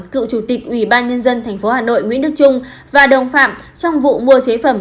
cựu chủ tịch ubnd tp hà nội nguyễn đức trung và đồng phạm trong vụ mua chế phẩm